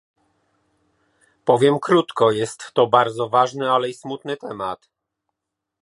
Powiem krótko, jest to bardzo ważny, ale i smutny temat